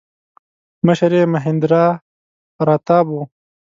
مشر یې مهیندراپراتاپ و.